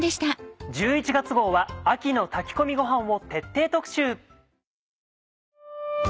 １１月号は「秋の炊き込みごはん」を徹底特集。